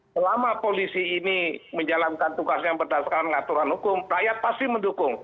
selama polisi ini menjalankan tugasnya berdasarkan aturan hukum rakyat pasti mendukung